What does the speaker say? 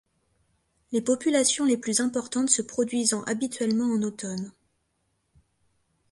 Les populations les plus importantes se produisant habituellement en automne.